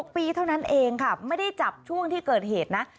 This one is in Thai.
ปีเท่านั้นเองค่ะไม่ได้จับช่วงที่เกิดเหตุนะ